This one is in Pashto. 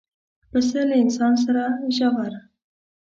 پسه له انسان سره ژور